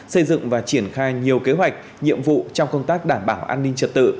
xây dựng và triển khai nhiều kế hoạch nhiệm vụ trong công tác đảm bảo an ninh trật tự